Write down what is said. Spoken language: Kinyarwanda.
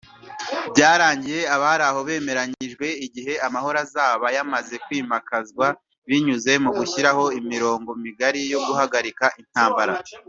Byarangiye abari aho bemeranyijwe igihe amahoro azaba yamaze kwimakazwa binyuze mu gushyiraho imirongo migari yo guhararika intambara